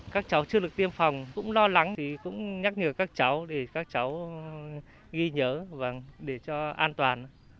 các cháu chưa được tiêm phòng cũng lo lắng thì cũng nhắc nhở các cháu để các cháu ghi nhớ để cho an toàn